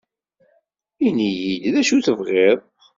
Ini-yi-d d acu tebɣiḍ